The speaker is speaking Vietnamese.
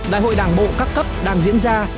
đại hội đảng bộ cấp cấp đang diễn ra